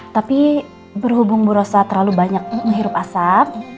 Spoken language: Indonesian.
tapi berhubung bu rosa terlalu banyak menghirup asap